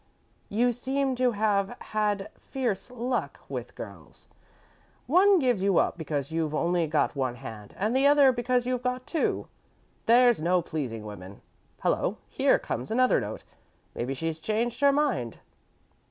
"You seem to have had fierce luck with girls. One gives you up because you've only got one hand, and the other because you've got two. There's no pleasing women. Hello here comes another note. Maybe she's changed her mind."